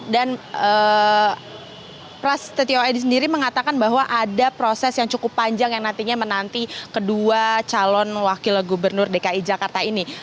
dan prasetyo edi sendiri mengatakan bahwa ada proses yang cukup panjang yang nantinya menanti kedua calon wakil gubernur dki jakarta ini